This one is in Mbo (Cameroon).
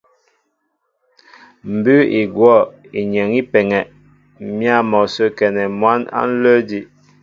Mbʉ́ʉ́ i gwɔ̂ inyeŋ í peŋɛ m̀yǎ mɔ sə́ a kɛnɛ mwǎn á ǹlə́ edí'.